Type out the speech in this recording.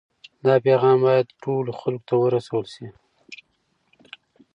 دا پیغام باید ټولو خلکو ته ورسول سي.